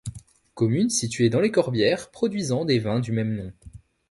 Commune située dans les Corbières, produisant des vins du même nom.